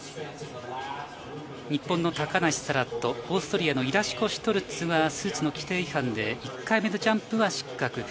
日本の高梨沙羅と、オーストリアのイラシュコ・シュトルツがスーツの規定違反で１回目のジャンプは失格。